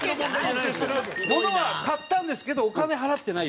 物は買ったんですけどお金払ってないよって事です。